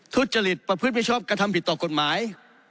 ทุจริตประพฤติมิชอบกระทำผิดต่อกฎหมาย